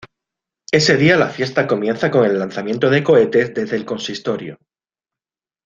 Ese día la fiesta comienza con el lanzamiento de cohetes desde el consistorio.